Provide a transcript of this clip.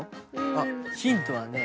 あヒントはね